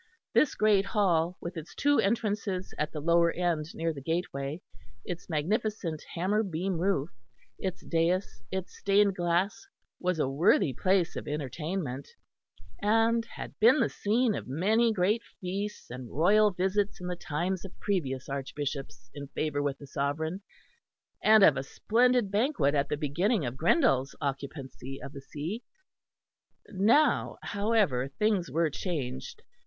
This great hall with its two entrances at the lower end near the gateway, its magnificent hammer beam roof, its daïs, its stained glass, was a worthy place of entertainment, and had been the scene of many great feasts and royal visits in the times of previous archbishops in favour with the sovereign, and of a splendid banquet at the beginning of Grindal's occupancy of the see. Now, however, things were changed.